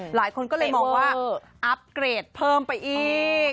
หลายคนก็เลยมองว่าอัพเกรดเพิ่มไปอีก